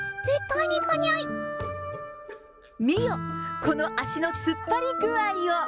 見よ、この足の突っ張り具合を。